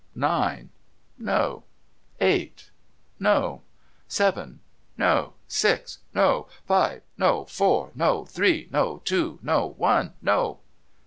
Nine? No. Eight? No. Seven? No. Six? No. Five? No. Four? No. Three? No. Two? No, One? No.